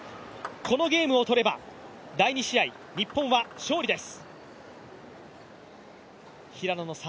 このゲームを取れば第２試合日本は勝利です。